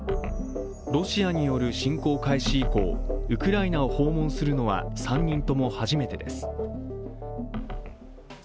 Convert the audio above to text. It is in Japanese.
ロシアによる侵攻開始以降、ウクライナを訪問するのは３人とも初めてです。